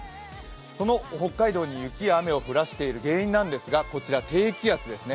この北海道に雪や雨を降らしている原因なんですがこちら低気圧ですね。